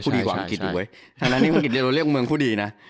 ถ้านะนี่มันก็จะเรียกว่าเมืองผู้ดีนะ